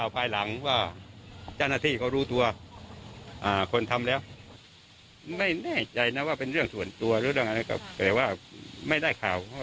ภรรยาของผู้ตายชื่อนางสาวอารีวันนี้เราไปคุยด้วยเส้นทางเข้าไปค่อนข้างลำบากหน่อย